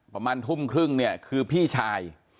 ประมาณทุ่มครึ่งเนี่ยคือพี่ชาย